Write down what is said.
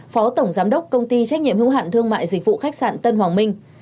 phó tổng giám đốc công ty trách nhiệm hữu hạn thương mại dịch vụ khách sạn tân hoàng minh